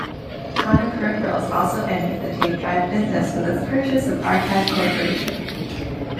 Conner Peripherals also entered the tape drive business with its purchase of Archive Corporation.